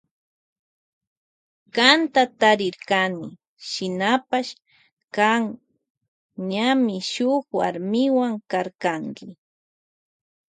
Kanta tarirkani shinapash kan ñami shuk warmiwa karkanki.